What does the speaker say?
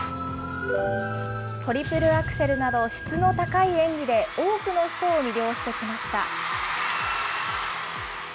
トリプルアクセルなど質の高い演技で多くの人を魅了してきました。